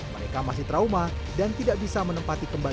mereka masih trauma dan tidak bisa menempati kembali